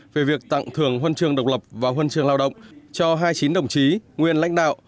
về việc tặng thưởng huân trường độc lập và huân trường lao động cho hai mươi chín đồng chí nguyên lãnh đạo